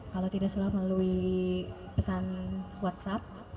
kalau tidak salah melalui pesan whatsapp